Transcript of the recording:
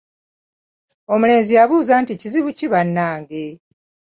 "Omulenzi yabuuza nti, “Kizibu ki bannange?"""